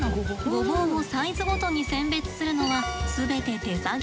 ごぼうをサイズごとに選別するのは全て手作業。